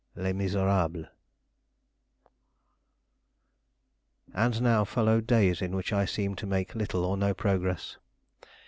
Les Miserables. And now followed days in which I seemed to make little or no progress.